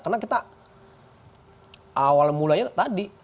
karena kita awal mulanya tadi